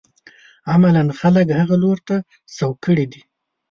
عملاً خلک هغه لوري ته سوق کړي دي.